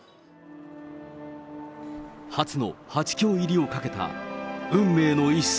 初の８強入りをかけた運命の一戦。